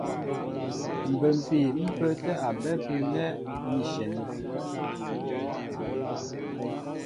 Mbə́mpii ḿ pə́ə́tɛ́ a bɛ́ ápə́ nɛ́ ní shyɛní.